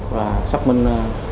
và xác minh